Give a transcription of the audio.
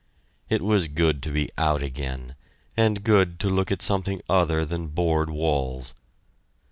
It was good to be out again and good to look at something other than board walls.